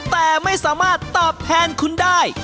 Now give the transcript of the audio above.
แต่ไม่สามารถตอบแทนคุณได้